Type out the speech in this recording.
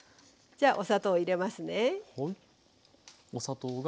じゃあお砂糖入れますね。